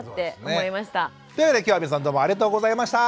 というわけで今日は皆さんどうもありがとうございました。